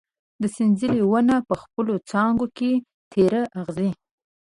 د سنځلې ونه په خپلو څانګو کې تېره اغزي